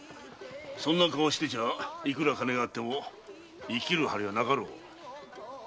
そんな顔してちゃいくら金があっても生きる張りがなかろう。